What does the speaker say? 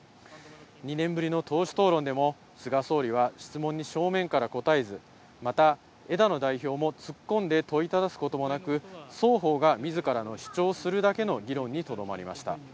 ２年ぶりの党首討論でも、菅総理は質問に正面から答えず、また枝野代表も、突っ込んで問いただすこともなく、双方がみずからの主張をするだけの議論にとどまりました。